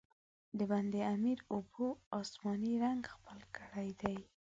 د بند امیر اوبو، آسماني رنګ خپل کړی دی.